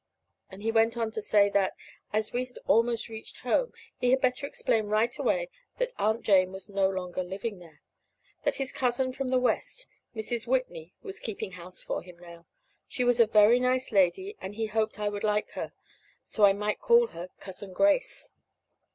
And he went on to say that, as we had almost reached home, he had better explain right away that Aunt Jane was no longer living there; that his cousin from the West, Mrs. Whitney, was keeping house for him now. She was a very nice lady, and he hoped I would like her. And I might call her "Cousin Grace."